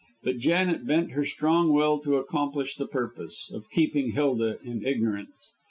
But Janet bent her strong will to accomplish the purpose, of keeping Hilda in ignorance.